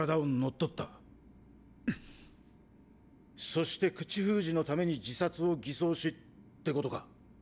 そして口封じのために自殺を偽装しってことか？